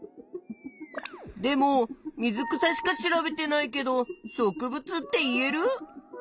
でも水草しか調べてないけど植物って言える？